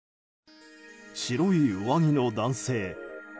白い上着の男性。